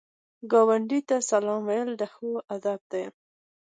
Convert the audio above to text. ګاونډي ته سلام ویل ښو ادب دی